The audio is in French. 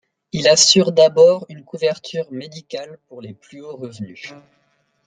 Il assure d'abord une couverture médicale pour les plus hauts revenus.